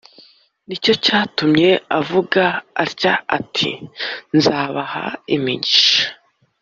ni cyo cyatumye avuga atya ati nzabaha imigisha